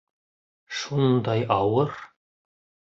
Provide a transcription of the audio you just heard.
Шундай ауыр!